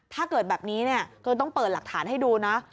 ถ้าเกิดแบบนี้เนี่ยก็ต้องเปิดหลักฐานให้ดูนะ